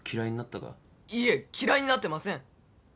いえ嫌いになってません！